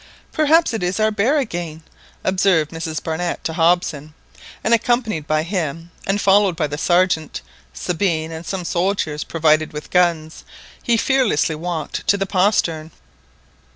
"Perhaps it is only our bear again," observed Mrs Barnett to Hobson, and accompanied by him, and followed by the Sergeant, Sabine, and some soldiers provided with guns,—he fearlessly walked to the postern.